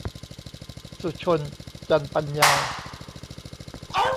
สุชล จันปัญญา